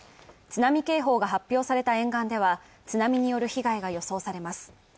津波警報が発表された沿岸では津波による被害が予想されます。